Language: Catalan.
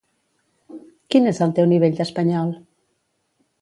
Quin és el teu nivell d'espanyol?